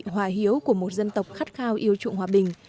hòa hiếu của một dân tộc khắt khao yêu trụng hòa bình